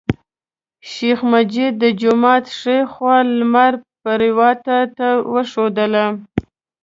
شیخ مجید د جومات ښی خوا لمر پریواته ته وښودله.